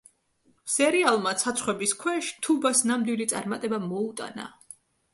სერიალმა „ცაცხვების ქვეშ“ თუბას ნამდვილი წარმატება მოუტანა.